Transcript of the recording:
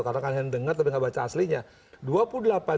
karena kan dengar tapi nggak baca aslinya